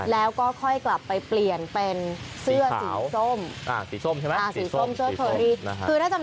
แล้วก็ค่อยกลับไปเปลี่ยนเป็นเสื้อสีส้ม